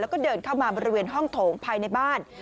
เข้ามาบริเวณห้องโถงภายในบ้าน